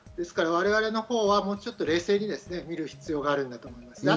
我々のほうはもうちょっと、冷静に見る必要があるんだと思います。